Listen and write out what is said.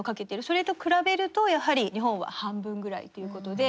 それと比べるとやはり日本は半分ぐらいということで。